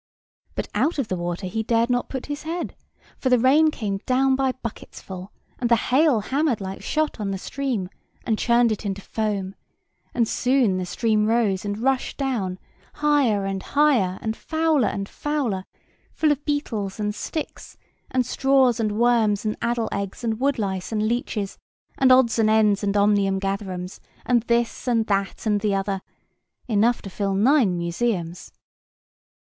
But out of the water he dared not put his head; for the rain came down by bucketsful, and the hail hammered like shot on the stream, and churned it into foam; and soon the stream rose, and rushed down, higher and higher, and fouler and fouler, full of beetles, and sticks; and straws, and worms, and addle eggs, and wood lice, and leeches, and odds and ends, and omnium gatherums, and this, that, and the other, enough to fill nine museums.